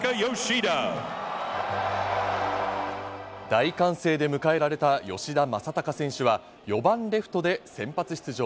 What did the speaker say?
大歓声で迎えられた吉田正尚選手は４番レフトで先発出場。